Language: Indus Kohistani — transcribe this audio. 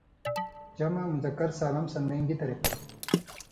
جمع مذکر سالم سن٘دَئیں گی طریۡقہ تھی؟